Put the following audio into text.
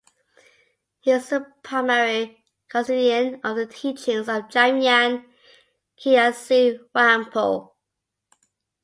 He is the primary custodian of the teachings of Jamyang Khyentse Wangpo.